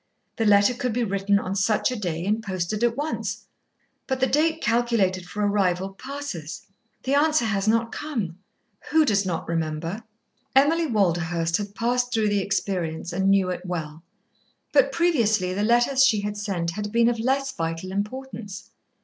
The letter could be written on such a day and posted at once. But the date calculated for arrives, passes, the answer has not come. Who does not remember? Emily Walderhurst had passed through the experience and knew it well. But previously the letters she had sent had been of less vital importance.